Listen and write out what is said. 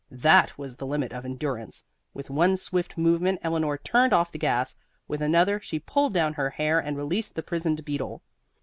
That was the limit of endurance. With one swift movement Eleanor turned off the gas, with another she pulled down her hair and released the prisoned beetle.